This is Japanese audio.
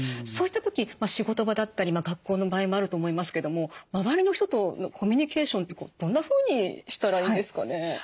そういった時仕事場だったり学校の場合もあると思いますけども周りの人とのコミュニケーションってどんなふうにしたらいいんですかね？